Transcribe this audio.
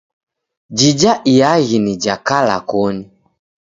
Jija iaghi ni na kala koni.